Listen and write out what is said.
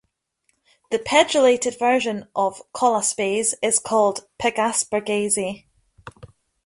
The pegylated version of colaspase is called pegaspargase.